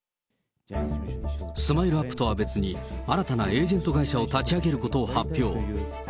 スマイルアップとは別に、新たなエージェント会社を立ち上げることを発表。